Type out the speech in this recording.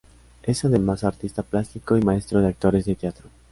Es, además, artista plástico y maestro de actores de teatro.